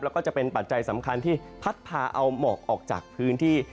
แล้วก็จะเป็นปัจจัยสำคัญที่พัดพาเอาหมอกออกจากพื้นที่